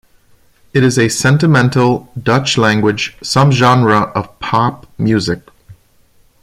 It is a sentimental, Dutch-language subgenre of pop music.